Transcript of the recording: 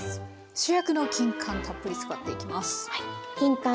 主役のきんかんたっぷり使っていきます。